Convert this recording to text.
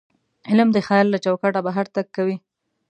علم د خیال له چوکاټه بهر تګ کوي.